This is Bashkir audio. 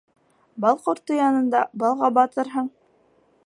Бал ҡорто янында балға батырһың